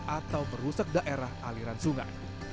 atau merusak daerah aliran sungai